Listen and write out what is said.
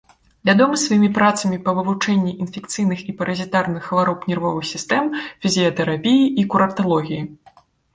Вядомы сваімі працамі па вывучэнні інфекцыйных і паразітарных хвароб нервовай сістэмы, фізіятэрапіі і курарталогіі.